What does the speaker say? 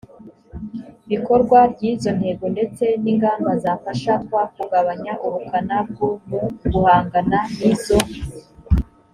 bikorwa ry izo ntego ndetse n ingamba zafasha twa kugabanya ubukana bw mu guhangana n izo